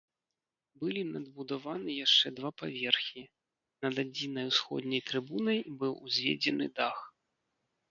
Былі надбудаваны яшчэ два паверхі, над адзінай усходняй трыбунай быў узведзены дах.